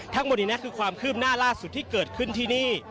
ทั้งหมดนี้คือความคืบหน้าล่าสุดที่เกิดขึ้นที่นี่